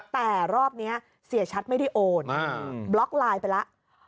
แต่รอบนี้เสียชัดไม่ได้โอนบล็อกไลน์ไปแล้ว